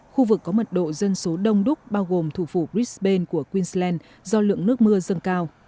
khu vực có mật độ dân số đông đúc bao gồm thủ phủ brisban của queensland do lượng nước mưa dâng cao